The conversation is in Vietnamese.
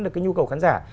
được cái nhu cầu khán giả